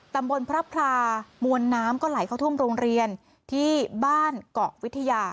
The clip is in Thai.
ตำบลพระพลามวลน้ำก็ไหลเข้าท่วมโรงเรียนที่บ้านเกาะวิทยา